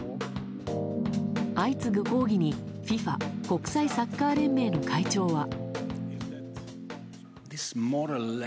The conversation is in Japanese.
相次ぐ抗議に、ＦＩＦＡ・国際サッカー連盟の会長は。